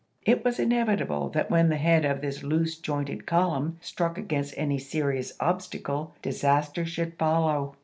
It was inevitable that when the head of this loose jointed column struck against any serious obstacle disaster should follow.